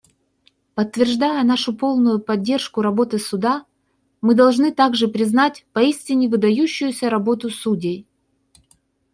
Подтверждая нашу полную поддержку работы Суда, мы должны также признать поистине выдающуюся работу судей.